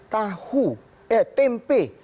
tahu eh tempe